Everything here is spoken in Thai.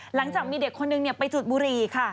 หลังจากมีเด็กคนนึงไปจุดบุหรี่ค่ะ